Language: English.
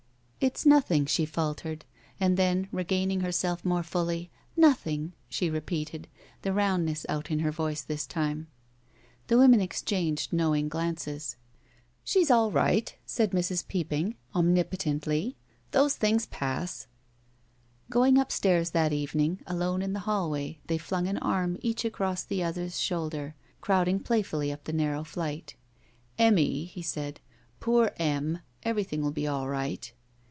"It's nothing," she faltered, and then, regaining herself more fully, nothing," she repeated, the rotmdness out in her voice this time. The women exchanged knowing glances. "She's all right," said Mrs. Peopping, omnipo tently. Those things pass. '* Going upstairs that evening, alone in the hallway, they fltmg an arm each across the other's shoulder, crowding plajrfully up the narrow flight. "Emmy," he said, "poor Em, everjrthing will be all right."